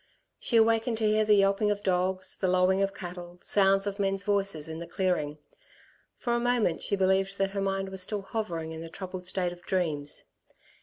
She awakened to hear the yelping of dogs, the lowing of cattle, sounds of men's voices in the clearing. For a moment she believed that her mind was still hovering in the troubled state of dreams.